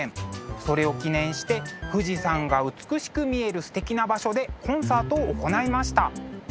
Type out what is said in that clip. それを記念して富士山が美しく見えるすてきな場所でコンサートを行いました。